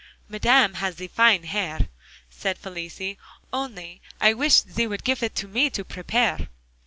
"Madame has ze fine hair," said Felicie, "only I wish zee would gif it to me to prepaire."